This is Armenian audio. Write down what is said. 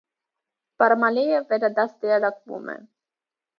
Բարմալեյը վերադաստիարակվում է։